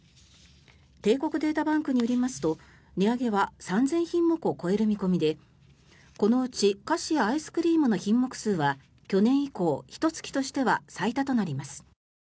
帝国データバンクによりますと値上げは３０００品目を超える見込みでこのうち菓子やアイスクリームの品目数は去年以降、ひと月としては最多となります。